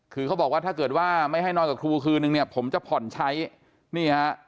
คือเขาบอกว่าถ้าเกิดว่าไม่ให้นอนกับครูคืนนึงเนี่ยผมจะผ่อนใช้นี่ฮะ